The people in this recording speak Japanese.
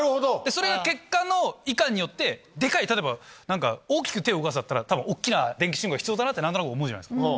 それが結果のいかんによってデカい例えば大きく手を動かすだったら多分大っきな電気信号が必要だなって何となく思うじゃないですか。